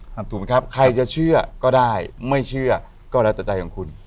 ถูกไหมครับใครจะเชื่อก็ได้ไม่เชื่อก็แล้วแต่ใจของคุณ